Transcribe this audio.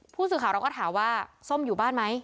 ผู้สื่อข่าวเราก็ถามว่าส้มอยู่บ้านไหม